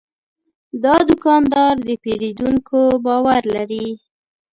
دا دوکاندار د پیرودونکو باور لري.